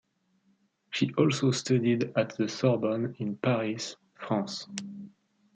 She also studied at the Sorbonne in Paris, France.